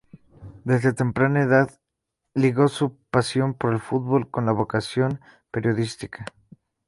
Desde temprana edad ligó su pasión por el fútbol con la vocación periodística.